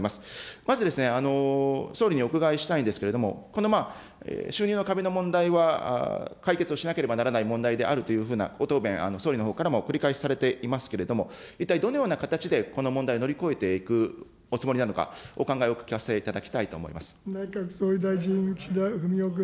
まず、総理にお伺いしたいんですけれども、この収入の壁の問題は、解決をしなければならない問題であるというふうなご答弁、総理のほうからも繰り返しされていますけれども、一体どのような形で、この問題を乗り越えていくおつもりなのか、お考えをお聞かせいただきたいと思います。